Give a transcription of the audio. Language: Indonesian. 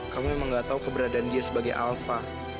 kamu emang gak tau keberadaan dia sebagai alva